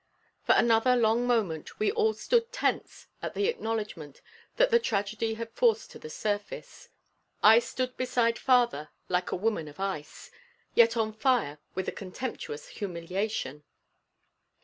For another long moment we all stood tense at the acknowledgment that the tragedy had forced to the surface. I stood beside father like a woman of ice, yet on fire with a contemptuous humiliation.